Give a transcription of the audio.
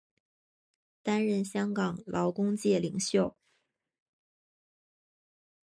担任香港劳工界领袖。